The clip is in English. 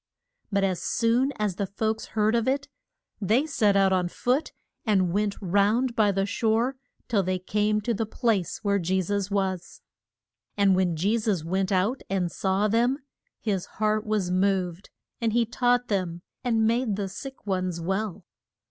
But as soon as the folks heard of it they set out on foot and went round by the shore till they came to the place where Je sus was. And when Je sus went out and saw them, his heart was moved, and he taught them, and made the sick ones well.